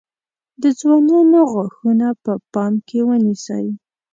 د ځوانانو غاښونه په پام کې ونیسئ.